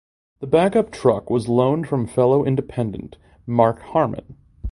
The backup truck was loaned from fellow independent Mike Harmon.